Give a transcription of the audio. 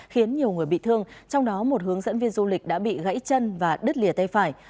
khiến nhiều người bị thương trong đó một hướng dẫn viên du lịch đã bị gãy chân và đứt lìa tay phải